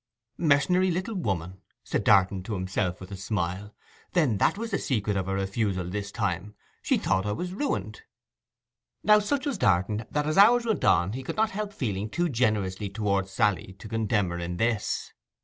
'Mercenary little woman!' said Darton to himself with a smile. 'Then that was the secret of her refusal this time—she thought I was ruined.' Now, such was Darton, that as hours went on he could not help feeling too generously towards Sally to condemn her in this.